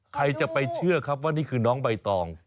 ใครจะไปเชื่อครับว่านี่คือน้องใบตอง